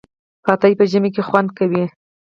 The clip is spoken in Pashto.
پاتې په ژمي کی خوندکوی